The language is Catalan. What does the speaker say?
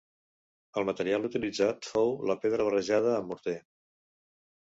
El material utilitzat fou la pedra barrejada amb morter.